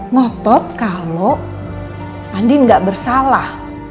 ngotot kalau andin gak bersalah